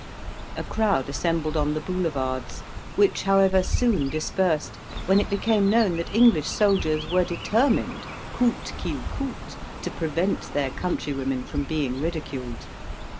A crowd assembled on the Boulevards; which, however, soon dispersed when it became known that English soldiers were determined, coute qu'il coute, to prevent their countrywomen from being ridiculed.